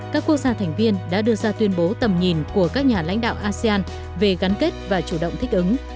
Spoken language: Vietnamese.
các quốc gia thành viên đã đưa ra tuyên bố tầm nhìn của các nhà lãnh đạo asean về gắn kết và chủ động thích ứng